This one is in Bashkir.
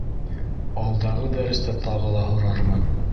Алдағы дәрестә тағы ла һорармын.